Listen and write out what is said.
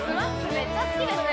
めっちゃ好きですね